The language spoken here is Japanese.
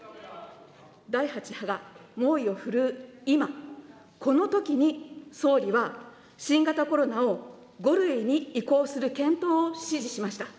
第８波が猛威を振るう今、このときに、総理は新型コロナを５類に移行する検討を指示しました。